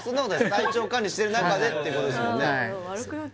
体調管理してる中でってことですもんね